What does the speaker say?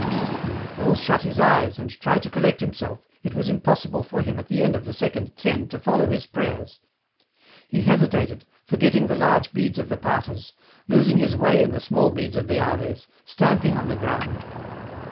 He might well shut his eyes, and try to collect himself, it was impossible for him at the end of the second ten to follow his prayers ; he hesitated, forgetting the large beads 204 EN ROUTE. of the Paters, losing his way in the small beads of the Aves, stamping on the ground.